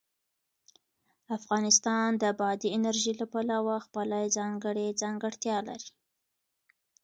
افغانستان د بادي انرژي له پلوه خپله ځانګړې ځانګړتیا لري.